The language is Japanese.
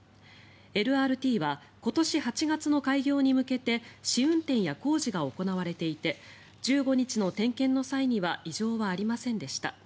ＬＲＴは今年８月の開業に向けて試運転や工事が行われていて１５日の点検の際には異常はありませんでした。